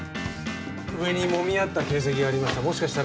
上にもみ合った形跡がありました。